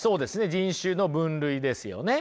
人種の分類ですよね。